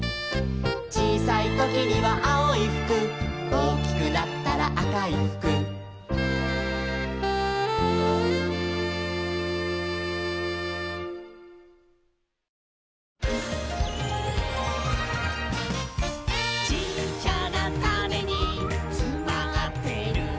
「ちいさいときにはあおいふく」「おおきくなったらあかいふく」「ちっちゃなタネにつまってるんだ」